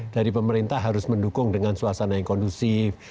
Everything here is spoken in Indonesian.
dari pemerintah harus mendukung dengan suasana yang kondusif